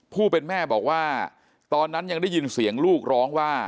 ผู้เป็นแม่บอกว่าตอนนั้นยังได้ยินเสียงลูกร้องว่า